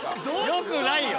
よくないよ。